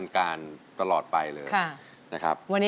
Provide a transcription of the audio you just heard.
กระแซะเข้ามาสิ